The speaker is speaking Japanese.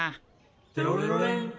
「テロレロレン」